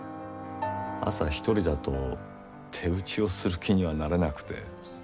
朝一人だと手打ちをする気にはなれなくて。